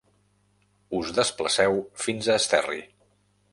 Us desplaceu fins a Esterri.